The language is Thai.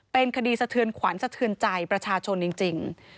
เป็นคดีสะเทือนขวัญสะเทือนใจประชาชนจริง